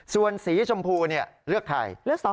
ส่วนสีชมพูเลือกใคร